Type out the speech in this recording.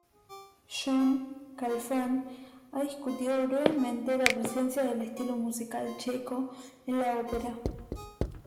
John Clapham ha discutido brevemente la presencia del estilo musical checo en la ópera.